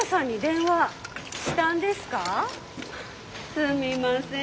すみません